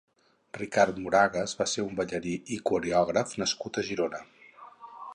Ricard Moragas va ser un ballarí i coreògraf nascut a Girona.